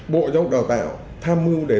bộ giáo dục đào tạo tham mưu để